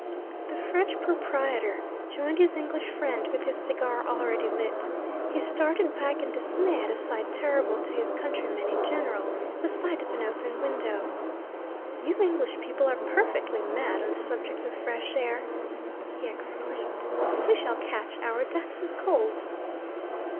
The French proprietor joined his English friend, with his cigar already lit. He started back in dismay at a sight terrible to his countrymen in general the sight of an open window. 'You English people are perfectly mad on the subject of fresh air!' he exclaimed. 'We shall catch our deaths of cold.'